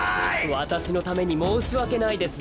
わたしのためにもうしわけないです